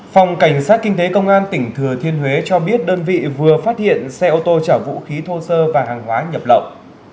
phòng cảnh sát kinh tế công an tỉnh thừa thiên huế cho biết đơn vị vừa phát hiện xe ô tô chở vũ khí thô sơ và hàng hóa nhập lậu